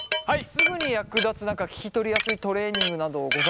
すぐに役立つ聞き取りやすいトレーニングなどございますか？